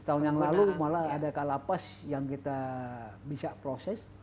lima tahun yang lalu malah ada kalapas yang kita bisa proses